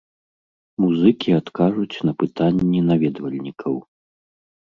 Музыкі адкажуць на пытанні наведвальнікаў.